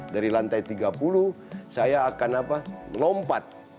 dari lantai tiga puluh saya akan lompat